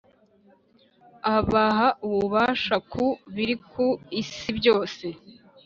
abaha ububasha ku biri ku isi byose